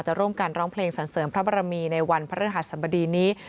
จะร่มกันร้องเพลงส่านเสริมพระบรมีในวันพระเรื่องหาศรัมภิกษ์นี้